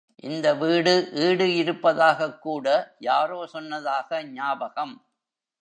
இந்த வீடு ஈடு இருப்பதாகக் கூட யாரோ சொன்னதாக ஞாபகம்.